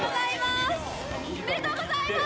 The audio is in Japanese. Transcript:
おめでとうございます。